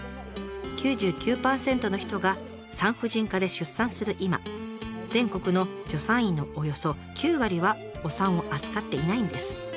９９％の人が産婦人科で出産する今全国の助産院のおよそ９割はお産を扱っていないんです。